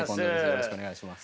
よろしくお願いします。